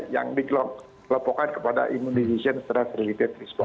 yang dikelompokkan kepada imunisasi setelah seribu sibu